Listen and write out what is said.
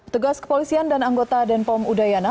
tegas kepolisian dan anggota denpom udayana